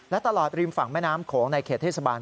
และตลอดริมฝั่งแม่น้ำโขงในเขตเทศบาล